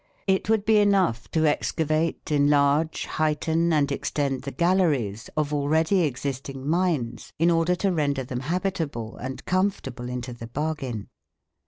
It would be enough to excavate, enlarge, heighten, and extend the galleries of already existing mines in order to render them habitable and comfortable into the bargain.